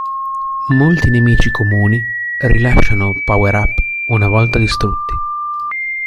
Molti nemici comuni rilasciano power-up una volta distrutti.